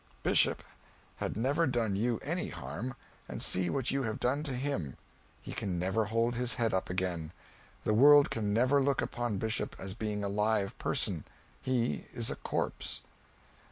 Bishop had never done you any harm, and see what you have done to him. He can never hold his head up again. The world can never look upon Bishop as being a live person. He is a corpse."